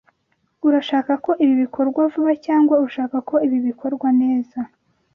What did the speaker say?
Urashaka ko ibi bikorwa vuba cyangwa urashaka ko ibi bikorwa neza?